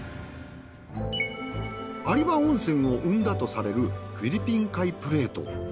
有馬温泉を生んだとされるフィリピン海プレート。